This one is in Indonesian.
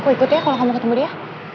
aku ikut ya kalau kamu ketemu dia